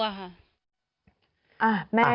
ค่ะน้องจะเป็นเด็กที่กลัวค่ะ